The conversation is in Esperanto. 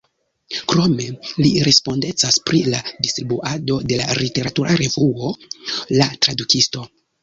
Krome li respondecas pri la distribuado de la literatura revuo La Tradukisto.